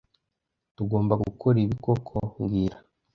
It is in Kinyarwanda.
Tugomba gukora ibi koko mbwira